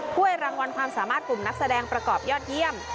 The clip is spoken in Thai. ถ้วยรางวัลความสามารถกลุ่มนักแสดงประกอบยอดเยี่ยม